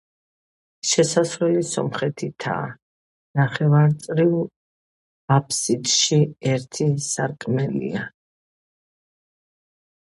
შესასვლელი სამხრეთითაა, ნახევარწრიულ აფსიდში ერთი სარკმელია.